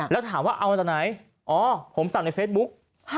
แล้วถามว่าเอามาจากไหนอ๋อผมสั่งในเฟซบุ๊ก